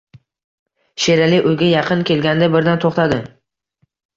Sherali uyga yaqin kelganda birdan to`xtadi